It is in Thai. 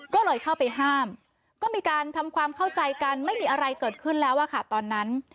ก็เลยเข้าไปห้ามก็มีการทำความเข้าใจกันไม่มีอะไรเกิดขึ้นแล้วอะค่ะตอนนั้น